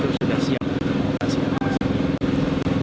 itu sudah siap untuk operasi yang akan disediakan